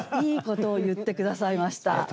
いいことを言って下さいました。